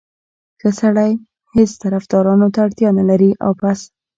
ښه سړی هېڅ طفدارانو ته اړتیا نه لري او بس.